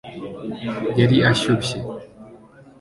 yari ashyushye